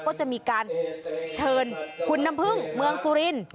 ก็จะมีการเชิญคุณน้ำพึ่งเมืองสุรินทร์